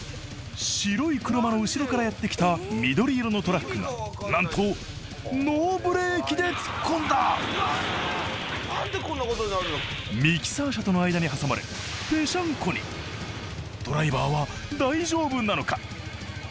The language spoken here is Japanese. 白い車の後ろからやってきた緑色のトラックが何とノーブレーキで突っ込んだミキサー車との間に挟まれペシャンコにドライバーは大丈夫なのか？